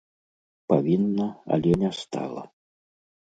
Павінна, але не стала.